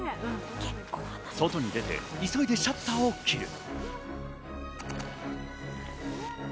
外に出て急いでシャッターを切る。